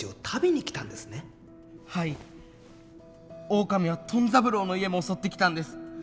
オオカミはトン三郎の家も襲ってきたんです。